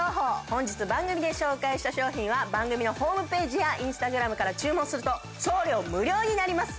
本日番組で紹介した商品は番組のホームページやＩｎｓｔａｇｒａｍから注文すると送料無料になります。